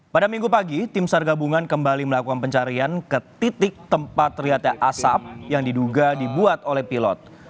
pada minggu pagi tim sargabungan kembali melakukan pencarian ke titik tempat terlihatnya asap yang diduga dibuat oleh pilot